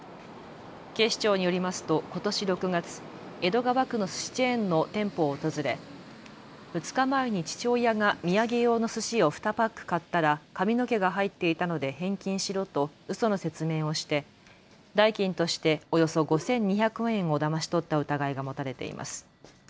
警視庁によりますとことし６月、江戸川区のすしチェーンの店舗を訪れ２日前に父親がみやげ用のすしを２パック買ったら髪の毛が入っていたので返金しろとうその説明をして代金としておよそ５２００円をだまし取った疑いが持たれています。